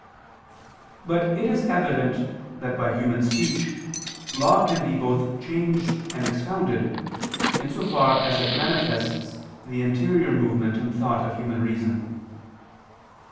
But it is evident that by human speech, law can be both changed and expounded, in so far as it manifests the interior movement and thought of human reason.